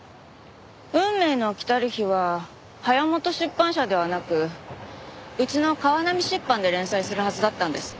『運命の来たる日』は早元出版社ではなくうちの川波出版で連載するはずだったんです。